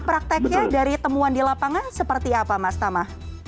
prakteknya dari temuan di lapangan seperti apa mas tama